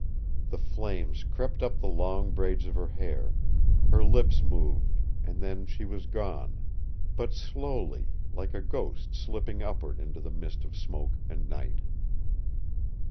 The flames crept up the long braids of her hair, her lips moved, and then she was gone but slowly, like a ghost slipping upward into the mist of smoke and night.